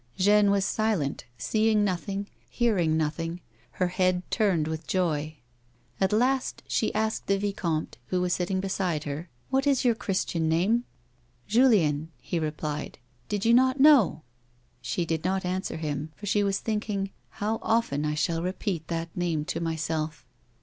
Jeanne was silent, seeing nothing, hearing nothing, her head turned with joy. At last she asked the vicomte, who was sitting beside her :" What is your christian name 1 "" Julien,'' he replied ; "did you not know?" She did not answ»r him, for she was thinking: "How often I shall repeat that name to myself."